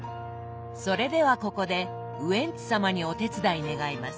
それではここでウエンツ様にお手伝い願います。